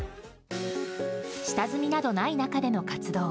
下積みなどない中での活動。